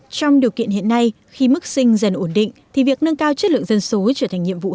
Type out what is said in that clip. trong điều kiện hiện nay khi mức sinh dần ổn định thì việc nâng cao chất lượng dân số trở thành nhiệm vụ